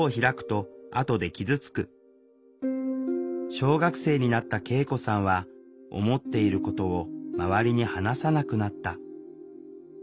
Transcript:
小学生になった圭永子さんは思っていることを周りに話さなくなった。